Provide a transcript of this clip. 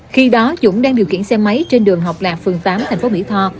khi đó dũng đang điều khiển xe máy trên đường học lạc phường tám thành phố mỹ tho